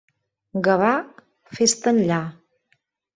Gavà, fes-te enllà.